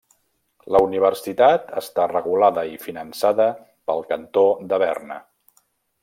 La universitat està regulada i finançada pel Cantó de Berna.